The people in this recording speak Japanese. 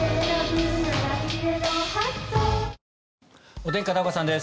お天気、片岡さんです。